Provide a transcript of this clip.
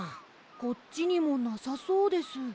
こっちにもなさそうです。